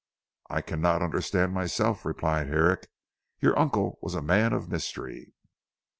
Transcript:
"I cannot understand myself," replied Herrick, "your uncle was a man of mystery.